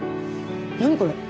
何これ？